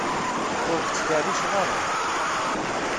Ur k-ttkerriceɣ ara.